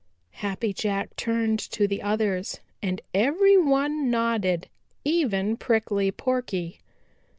Happy Jack turned to the others and every one nodded, even Prickly Porky.